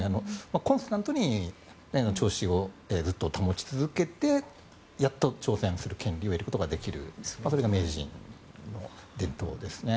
コンスタントに調子をずっと保ち続けてやっと挑戦する権利を得ることができるそれが名人、伝統ですね。